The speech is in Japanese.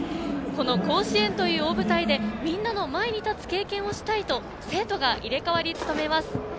甲子園という大舞台でみんなの前に立つ経験をしたいと生徒が入れ替わり務めます。